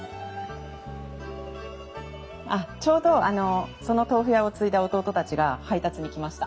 あっちょうどあのその豆腐屋を継いだ弟たちが配達に来ました。